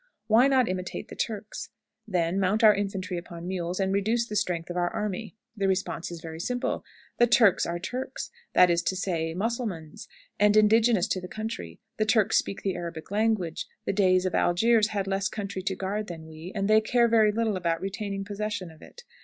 "Why not imitate the Turks, then, mount our infantry upon mules, and reduce the strength of our army? "The response is very simple: "The Turks are Turks that is to say, Mussulmans and indigenous to the country; the Turks speak the Arabic language; the Deys of Algiers had less country to guard than we, and they care very little about retaining possession of it.